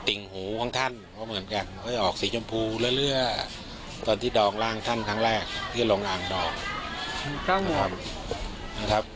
่งหูของท่านก็เหมือนกันเขาจะออกสีชมพูเรื่อยตอนที่ดองร่างท่านครั้งแรกที่ลงอ่างดองนะครับ